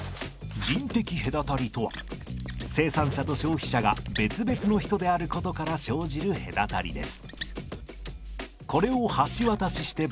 空間的隔たりとは生産地と消費地が異なることから生じる隔たりです。